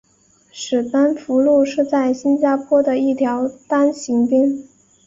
史丹福路是在新加坡的一条单行道。